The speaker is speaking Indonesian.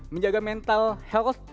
menjaga mental health